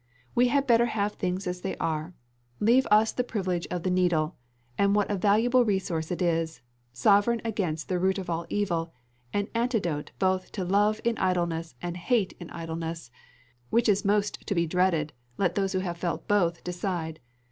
We had better have things as they are: leave us the privilege of the needle, and what a valuable resource it is; sovereign against the root of all evil an antidote both to love in idleness and hate in idleness which is most to be dreaded, let those who have felt both decide.